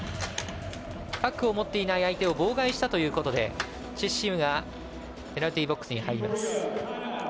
パックを持っていない相手を妨害したということでチェ・シウがペナルティーボックスに入ります。